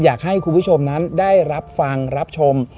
อยากให้คุณผู้ชมนั้นได้รับฟังรับชม